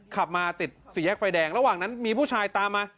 ขับมาติดสี่แยกไฟแดงระหว่างนั้นมีผู้ชายตามมา